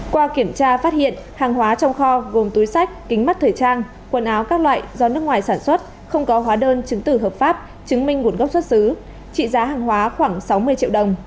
qua kiểm tra phát hiện hàng hóa trong kho gồm túi sách kính mắt thời trang quần áo các loại do nước ngoài sản xuất không có hóa đơn chứng tử hợp pháp chứng minh nguồn gốc xuất xứ trị giá hàng hóa khoảng sáu mươi triệu đồng